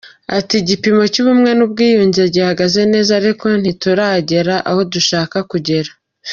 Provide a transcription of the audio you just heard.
Ati ”Igipimo cy’ubumwe n’ubwiyunge gihagaze neza, ariko ntituragera aho dushaka kugera.